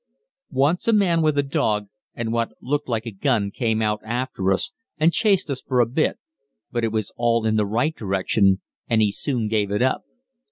Once a man with a dog, and what looked like a gun, came out after us and chased us for a bit, but it was all in the right direction, and he soon gave it up.